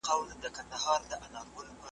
دا یو ډېر جالب او د عبرت نه ډک داستان و.